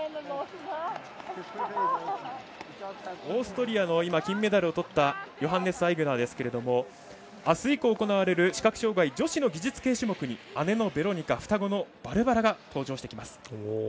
オーストリアの金メダルをとったヨハンネス・アイグナーですけどあす以降行われる視覚障がい女子の技術系種目に姉のベロニカ、双子のバルバラが登場してきます。